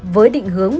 với định hướng